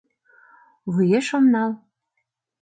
Вуеш ом нал.